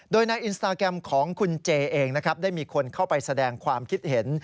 โดยในอินสตาแกรมของคุณเจเองนะครับได้มีคนเข้าไปแสดงความคิดเห็น